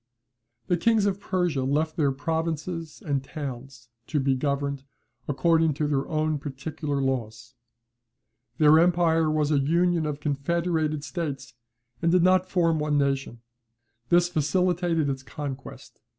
The kings of Persia left their provinces and towns to be governed according to their own particular laws. Their empire was a union of confederated states, and did not form one nation; this facilitated its conquest.